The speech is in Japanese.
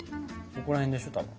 ここら辺でしょたぶん。